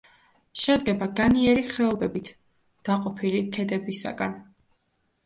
შედგება განიერი ხეობებით დაყოფილი ქედებისაგან.